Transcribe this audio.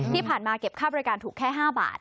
ที่ผ่านมาเก็บค่าบริการถูกแค่๕บาท